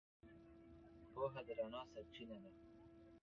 پوهه د رڼا سرچینه ده.